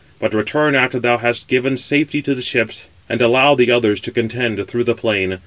But return after thou hast given safety to the ships, and allow the others to contend through the plain.